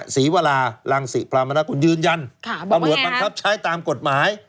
ศรีวรารังศิพรามนากุลยืนยันตำรวจบังคับใช้ตามกฎหมาย